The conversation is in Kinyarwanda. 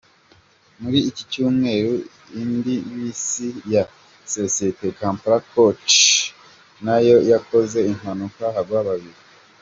Muri iki cyumweru indi bisi ya sosiyete Kampala Coach nayo yakoze impanuka hagwa babiri.